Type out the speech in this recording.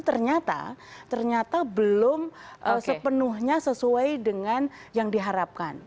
ternyata ternyata belum sepenuhnya sesuai dengan yang diharapkan